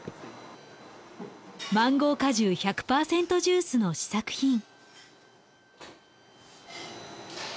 マンゴー果汁１００パーセントジュースの試作品。